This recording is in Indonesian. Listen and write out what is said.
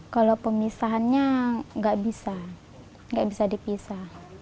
kalau pemisahannya nggak bisa nggak bisa dipisah